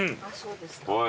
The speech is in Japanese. そうですか。